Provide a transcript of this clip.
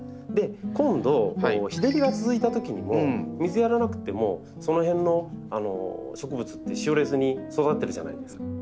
今度日照りが続いたときにも水やらなくってもその辺の植物ってしおれずに育ってるじゃないですか。